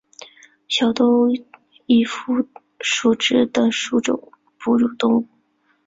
小兜翼蝠属等之数种哺乳动物。